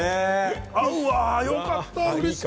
合うわ、よかった嬉しい。